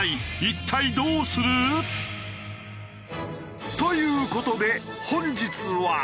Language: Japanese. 一体どうする？という事で本日は。